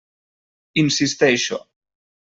Insisteixo.